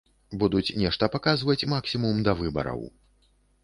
Будуць нешта паказваць максімум да выбараў.